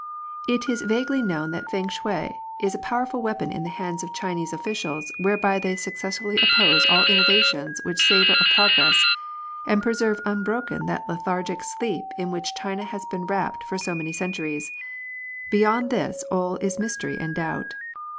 It is vaguely known that Feng shui is a powerful weapon in the hands of Chinese officials whereby they successfully oppose all innovations which savour of progress, and preserve unbroken that lethargic sleep in which China has been wrapt for so many centuries : beyond this all is mystery and doubt.